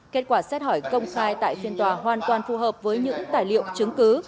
kết quả xét hỏi công khai tại phiên tòa hoàn toàn phù hợp với những tài liệu chứng cứ